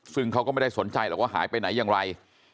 ซึ่งเขาก็ไม่ได้สนใจหรอกว่าหายไปไหนอย่างไร